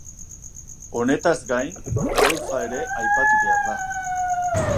Honetaz gain golfa ere aipatu behar da.